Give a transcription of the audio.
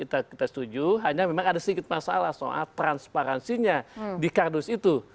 kita setuju hanya memang ada sedikit masalah soal transparansinya di kardus itu